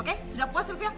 oke sudah puas sylvia